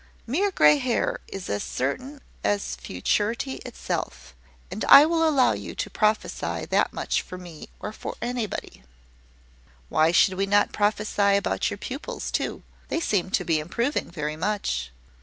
"Mere grey hair is as certain as futurity itself; and I will allow you to prophesy that much for me or for anybody." "Why should we not prophesy about your pupils too? They seem to be improving very much."